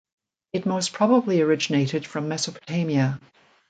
It mostly probably originated from Mesopotamia.